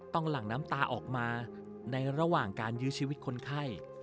หลั่งน้ำตาออกมาในระหว่างการยื้อชีวิตคนไข้